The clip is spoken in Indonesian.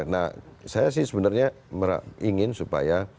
nah saya sih sebenarnya ingin supaya